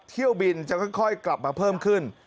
เที่ยวบินจะค่อยกลับมาเพิ่มขึ้น